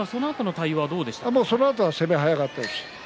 そのあとは攻めが速かったですね。